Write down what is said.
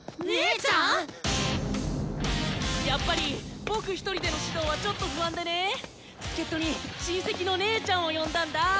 やっぱり僕１人での指導はちょっと不安でね助っ人に親戚の姉ちゃんを呼んだんだ！